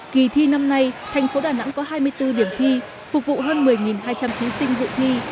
kỳ thi năm nay thành phố đà nẵng có hai mươi bốn điểm thi phục vụ hơn một mươi hai trăm linh thí sinh dự thi